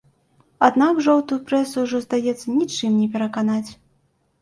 Аднак жоўтую прэсу ўжо, здаецца, нічым не пераканаць.